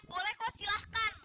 boleh kuas silahkan